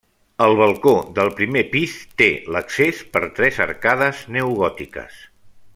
El balcó del primer pis té l'accés per tres arcades neogòtiques.